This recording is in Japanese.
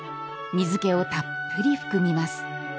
水気をたっぷり含みます。